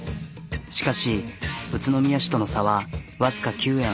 しかし宇都宮市との差は僅か９円。